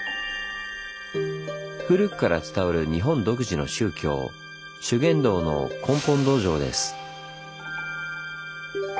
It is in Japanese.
古くから伝わる日本独自の宗教「修験道」の根本道場です。